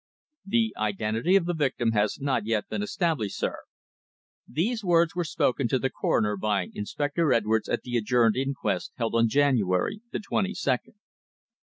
"The identity of the victim has not yet been established, sir." These words were spoken to the coroner by Inspector Edwards at the adjourned inquest held on January the twenty second.